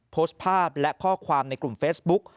โพสต์ภาพและข้อความในกลุ่มเฟซบุ๊ก